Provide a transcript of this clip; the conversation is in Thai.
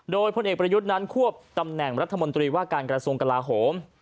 โดยพลเอกประยุทธ์นั้นควบตำแหน่งรัฐมนตรีว่าการกระทรวงกลาโหม